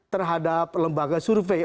terhadap lembaga survei